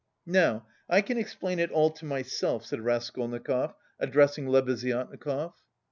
"Now I can explain it all to myself," said Raskolnikov, addressing Lebeziatnikov.